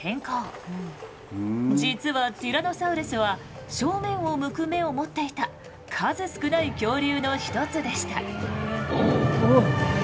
実はティラノサウルスは正面を向く目を持っていた数少ない恐竜の一つでした。